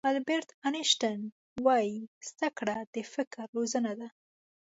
البرټ آینشټاین وایي زده کړه د فکر روزنه ده.